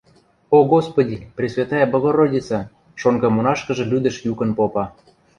– О Господи, Пресвятая Богородица… – шонгы монашкыжы лӱдӹш юкын попа.